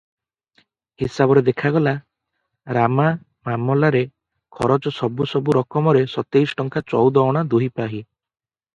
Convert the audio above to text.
ହିସାବରେ ଦେଖାଗଲା, ରାମା ମାମଲାରେ ଖରଚ ସବୁ ସବୁ ରକମରେ ସତେଇଶ ଟଙ୍କା ଚଉଦ ଅଣା ଦୁଇପାହି ।